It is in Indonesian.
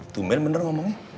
tumben bener ngomongnya